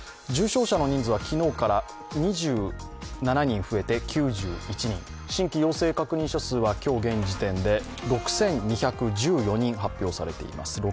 重症者の人数は昨日から２７人増えて９１人、新規陽性確認者数は今日現時点で６２１４人、発表されています。